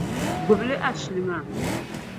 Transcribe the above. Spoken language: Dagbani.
Gbibimi ashili maa.